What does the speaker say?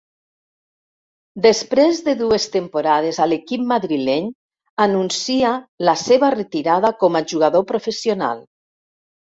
Després de dues temporades a l'equip madrileny anuncia la seva retirada com a jugador professional.